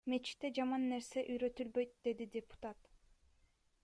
Мечитте жаман нерсе үйрөтүлбөйт, — деди депутат.